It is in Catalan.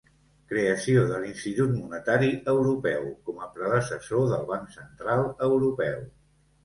Creació de l'Institut Monetari Europeu, com a predecessor del Banc Central Europeu.